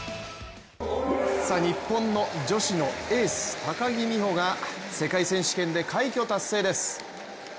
日本の女子のエース、高木美帆が世界選手権で快挙達成です。